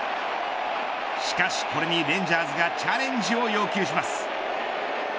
しかしこれにレンジャーズがチャレンジを要求します。